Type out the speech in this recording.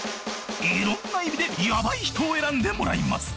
［いろんな意味でヤバい人を選んでもらいます］